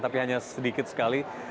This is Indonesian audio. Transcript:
tapi hanya sedikit sekali